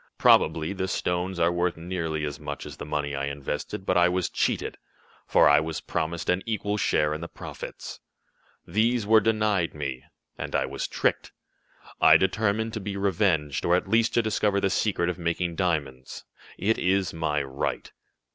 Probably the stones are worth nearly as much as the money I invested, but I was cheated, for I was promised an equal share in the profits. These were denied me, and I was tricked. I determined to be revenged, or at least to discover the secret of making diamonds. It is my right."